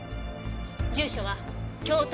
住所は京都市。